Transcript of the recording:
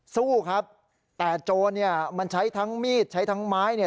สู้ครับแต่โจรเนี่ยมันใช้ทั้งมีดใช้ทั้งไม้เนี่ย